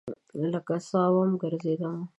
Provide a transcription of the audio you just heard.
لکه سا وم ګرزیدمه